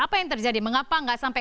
apa yang terjadi mengapa nggak sampai